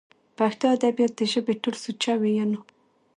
پښتو ادبيات د ژبې ټول سوچه وييونو